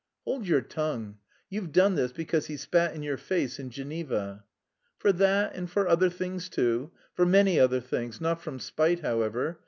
"Hold your tongue! You've done this because he spat in your face in Geneva!" "For that and for other things too for many other things; not from spite, however.